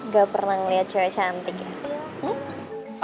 gapernah ngeliat cewek cantik ya